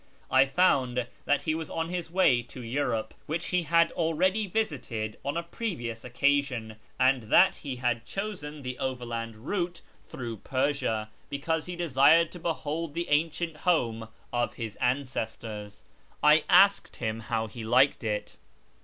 I found that he was on his way to Europe, Avhich he had already visited on a previous occasion, and that he had chosen the overland route through Persia, because he desired to behold the ancient home of his ancestors. I asked him how he liked it.